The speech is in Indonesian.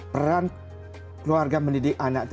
peran keluarga mendidik anak itu